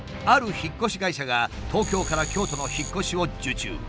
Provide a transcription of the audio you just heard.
ある引っ越し会社が東京から京都の引っ越しを受注。